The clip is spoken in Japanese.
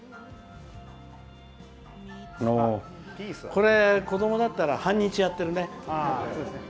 これ、子供だったら半日やってるね。